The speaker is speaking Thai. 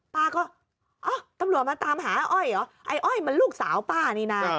ป้าก็ตำรวจมาตามหาอ้อยเหรอไอ้อ้อยมันลูกสาวป้านี่นะ